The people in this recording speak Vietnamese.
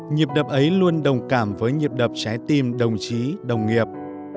nhịp đập ấy luôn đồng cảm với nhịp đập trái tim đồng chí đồng nghiệp